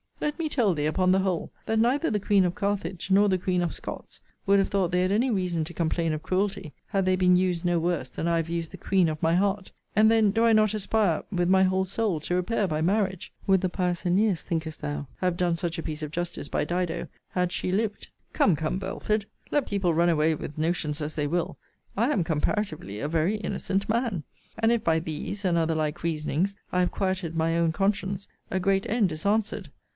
Let me tell thee, upon the whole, that neither the Queen of Carthage, nor the Queen of Scots, would have thought they had any reason to complain of cruelty, had they been used no worse than I have used the queen of my heart: And then do I not aspire with my whole soul to repair by marriage? Would the pious Æneas, thinkest thou, have done such a piece of justice by Dido, had she lived? Come, come, Belford, let people run away with notions as they will, I am comparatively a very innocent man. And if by these, and other like reasonings, I have quieted my own conscience, a great end is answered.